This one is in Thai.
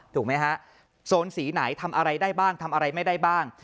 ถูกไหมฮะโซนสีไหนทำอะไรได้บ้างทำอะไรไม่ได้บ้าง